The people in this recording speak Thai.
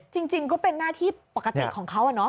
จริงก็เป็นหน้าที่ปกติของเขา